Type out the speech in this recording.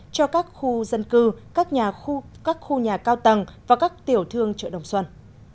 cho các khu dân cư các khu nhà cao tầng và các tiểu thương chợ đồng xuân